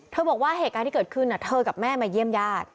บอกว่าเหตุการณ์ที่เกิดขึ้นเธอกับแม่มาเยี่ยมญาติ